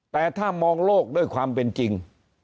แต่ถ้ามองโลกด้วยความเป็นจริง